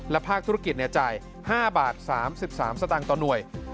และภาคธุรกิจจ่าย๕๓๓บาทต่อหน่วย